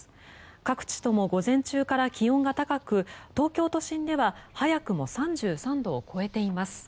各地とも午前中から気温が高く東京都心では早くも３３度を超えています。